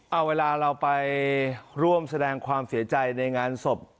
เอาเวลาเราไปร่วมแสดงความเสียใจในงานศพ